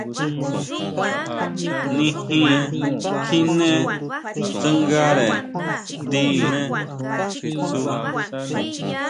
Nijin kjine tsangare tii.